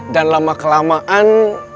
dan lama kelamaan